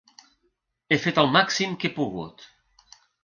He fet el màxim que he pogut.